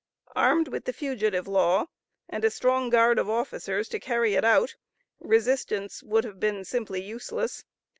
Armed with the Fugitive Law, and a strong guard of officers to carry it out, resistance would have been simply useless.